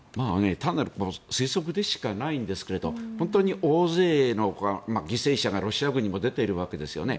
単なる推測でしかないんですが本当に大勢の犠牲者がロシア軍にも出ているわけですよね。